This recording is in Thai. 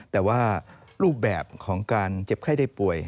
แต่ว่ารูปแบบของการเจ็บไข้ได้ป่วย